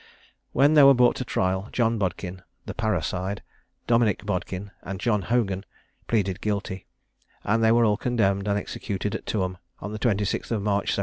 When they were brought to trial, John Bodkin, (the parricide), Dominick Bodkin, and John Hogan, pleaded guilty; and they were all condemned, and executed at Tuam on the 26th of March, 1742.